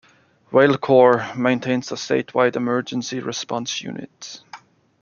RailCorp maintains a statewide Emergency Response Unit.